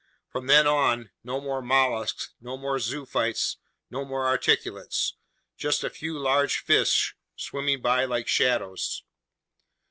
From then on, no more mollusks, no more zoophytes, no more articulates. Just a few large fish sweeping by like shadows.